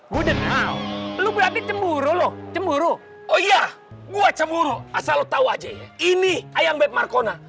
gue dengar lu berarti cemburu lo cemburu oh iya gua cemburu asal tahu aja ini ayam beb markona